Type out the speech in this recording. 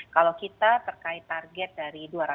kalau kita terkait target dari dua ratus